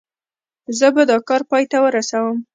زه به دا کار پای ته ورسوم.